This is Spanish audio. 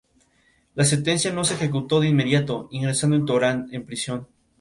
Se puede ver en varios portales web buscando por "actividades del Liceo Valentín Letelier".